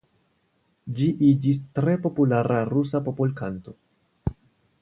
Ĝi iĝis tre populara rusa popolkanto.